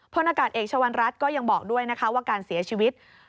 นากาศเอกชวรรณรัฐก็ยังบอกด้วยนะคะว่าการเสียชีวิต